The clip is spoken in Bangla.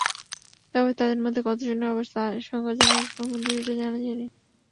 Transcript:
তবে তাঁদের মধ্যে কতজনের অবস্থা আশঙ্কাজনক, এখন পর্যন্ত সেটা জানা যায়নি।